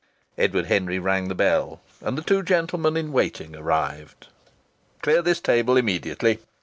Edward Henry rang his bell, and two gentlemen in waiting arrived. "Clear this table immediately!"